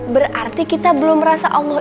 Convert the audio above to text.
berarti kita belum merasa allah